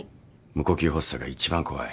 無呼吸発作が一番怖い。